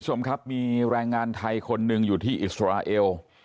คุณผู้ชมครับมีแรงงานไทยคนหนึ่งอยู่ที่อิสราเอล